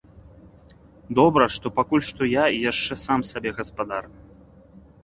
Добра, што пакуль што я яшчэ сам сабе гаспадар.